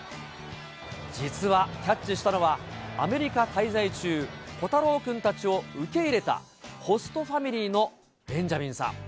実はキャッチしたのは、アメリカ滞在中、虎太郎君たちを受け入れたホストファミリーのベンジャミンさん。